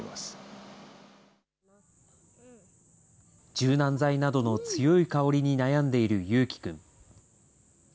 柔軟剤などの強い香りに悩んでいるゆうきくん。